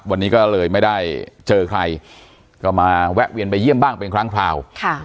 วันนี้ก็เลยไม่ได้เจอใครก็มาแวะเวียนไปเยี่ยมบ้างเป็นครั้งคราวค่ะ